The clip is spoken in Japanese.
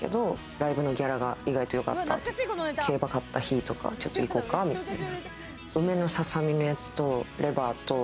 ライブのギャラが意外とよかった時、競馬買った日とか行こうかみたいな。